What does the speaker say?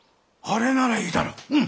あれならいいだろう。